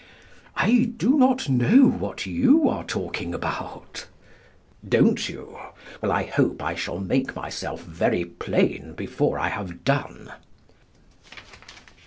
I do not know what you are talking about. Don't you? Well, I hope, I shall make myself very plain before I have done.